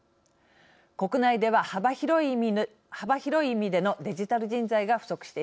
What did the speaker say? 国内では幅広い意味でのデジタル人材が不足しています。